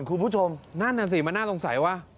คุณผู้ชมนั่นนะสิมันน่าต้องใส่ว่า